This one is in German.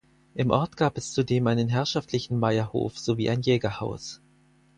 Im Ort gab es zudem einen herrschaftlichen Meierhof sowie ein Jägerhaus.